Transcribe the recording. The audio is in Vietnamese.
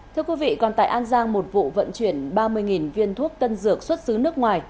thưa quý vị còn tại an giang một vụ vận chuyển ba mươi viên thuốc tân dược xuất xứ nước ngoài